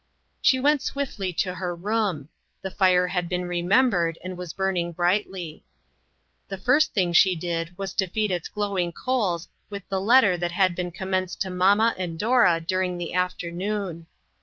She went swiftly to her room. The fire had been remembered, and was burning brightly. The first thing she did was to feed its glowing coals with the letter that had been commenced to mamma and Dora during the afternoon.